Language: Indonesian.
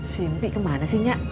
si mi kemana sih nya